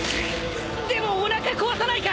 でもおなか壊さないか！？